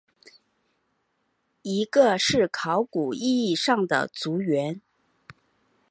一个是考古意义上的族源。